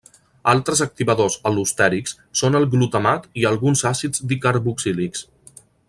Altres activadors al·lostèrics són el glutamat i alguns àcids dicarboxílics.